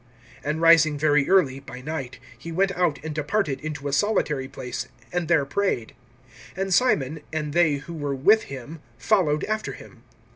(35)And rising very early, by night, he went out, and departed into a solitary place, and there prayed. (36)And Simon, and they who were with him, followed after him.